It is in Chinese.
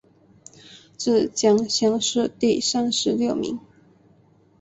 浙江乡试第三十六名。